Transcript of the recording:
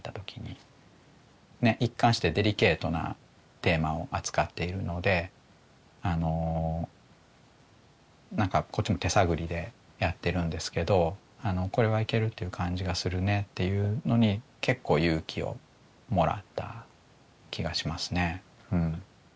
一貫してデリケートなテーマを扱っているのであの何かこっちも手探りでやってるんですけど「これはいけるっていう感じがするね」っていうのに結構勇気をもらった気がしますね。